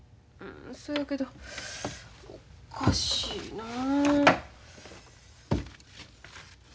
そやけどおかしいなあ。